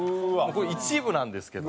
一部なんですけど。